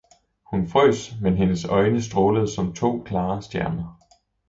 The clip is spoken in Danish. hun frøs, men hendes øjne strålede som to klare stjerner.